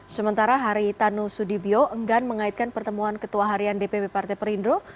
sementara hari tanu sudibyo enggan mengaitkan pertemuan ketua harian dpp partai perindro